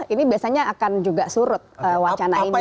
ini biasanya akan juga surut wacana ini